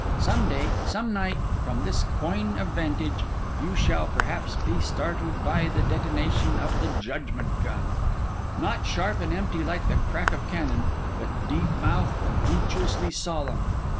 Some day, some night, from this coign of vantage, you shall perhaps be startled by the detonation of the judgment gun—not sharp and empty like the crack of cannon, but deep mouthed and unctuously solemn.